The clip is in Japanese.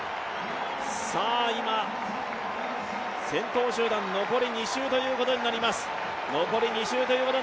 今、先頭集団、残り２周ということになります。